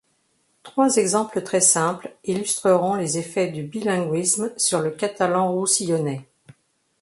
Trois exemples très simples illustreront les effets du bilinguisme sur le catalan roussillonnais.